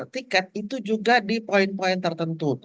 tiket itu juga di poin poin tertentu